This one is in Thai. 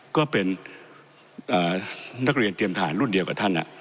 ก็เป็นนักเรียนเตรียมทหารรุ่นเดียวกับท่าน